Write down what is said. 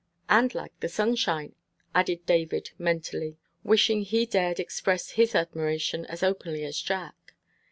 "And like the sunshine," added David mentally, wishing he dared express his admiration as openly as Jack.